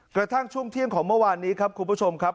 กระทั่งช่วงเที่ยงของเมื่อวานนี้ครับคุณผู้ชมครับ